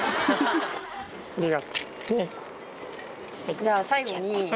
じゃあ最後に。